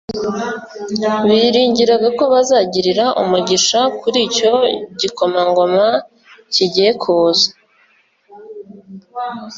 biringiraga ko bazagirira umugisha kur'icyo gikomangoma kigiye kuza